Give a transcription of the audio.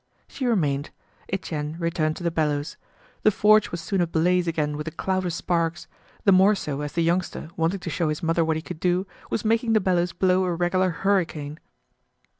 She remained. Etienne returned to the bellows. The forge was soon ablaze again with a cloud of sparks; the more so as the youngster, wanting to show his mother what he could do, was making the bellows blow a regular hurricane.